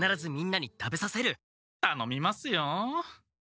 たのみますよ。